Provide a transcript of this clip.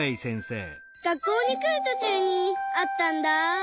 学校にくるとちゅうにあったんだ。